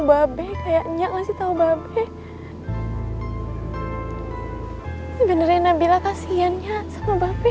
babes kayaknya masih tahu babes sebenarnya nabila kasihan nyak sama babes